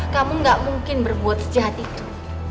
kamu gak mungkin berbuat sejahat itu